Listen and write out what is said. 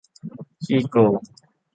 ขี้โกง